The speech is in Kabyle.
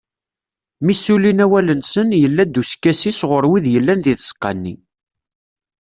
Mi ssulin awal-nsen, yella-d uskasi sɣur wid yellan deg tzeqqa-nni.